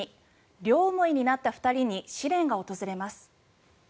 両思いになった２人に試練が訪れます。